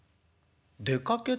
出かけた？